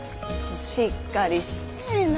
しっかりしてえな。